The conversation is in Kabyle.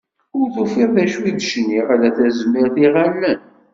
Ur tufiḍ d acu i d-cniɣ, ala tazmert iɣallen.